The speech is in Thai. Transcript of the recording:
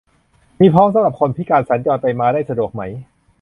มีพร้อมสำหรับคนพิการสัญจรไปมาได้สะดวกไหม